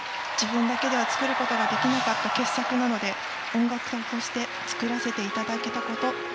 自分だけでは作ることができなかった傑作なので音楽家として、作らせていただいたこと